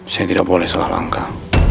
saya tidak boleh salah langkah